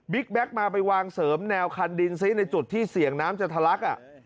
แก๊กมาไปวางเสริมแนวคันดินซิในจุดที่เสี่ยงน้ำจะทะลัก